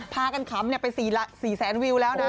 พากันขำไป๔แสนวิวแล้วนะ